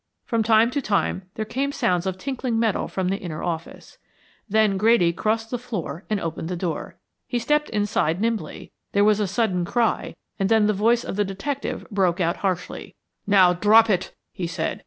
From time to time there came sounds of tinkling metal from the inner office. Then Grady crossed the floor and opened the door. He stepped inside nimbly, there was a sudden cry, and then the voice of the detective broke out harshly. "Now drop it," he said.